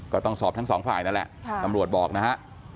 ก็ต้องสอบทั้งสองฝ่ายนั่นแหละตำรวจบอกนะฮะ